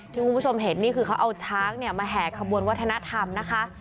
คุณผู้ชมเห็นนี่คือเขาเอาช้างเนี่ยมาแห่ขบวนวัฒนธรรมนะคะ